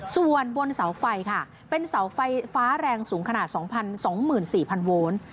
ส่วนบนเสาไฟค่ะเป็นเสาไฟฟ้าแรงสูงขนาด๒๒๔๐๐โวน